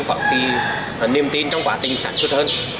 có cái niềm tin trong quá trình sản xuất hơn